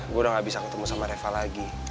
gue udah gak bisa ketemu sama reva lagi